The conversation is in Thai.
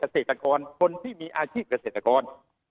เศรษฐกรคนที่มีอาชีพเศรษฐกร